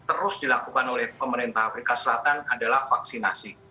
dan terus dilakukan oleh pemerintah afrika selatan adalah vaksinasi